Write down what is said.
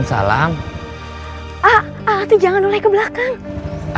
sampai jumpa lagi